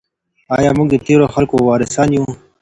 آیا موږ د تیرو خلګو وارثان یو؟